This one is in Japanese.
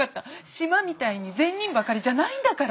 島みたいに善人ばかりじゃないんだから。